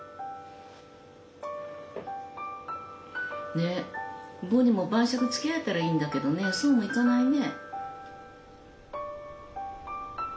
ねっボニーも晩酌つきあえたらいいんだけどねそうもいかないね。